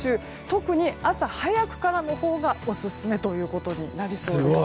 特に朝早くからのほうがオススメということになりそうです。